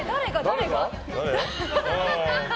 誰が？